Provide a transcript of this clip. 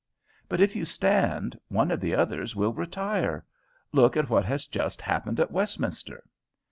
"But if you stand, one of the others will retire. Look at what has just happened at Westminster."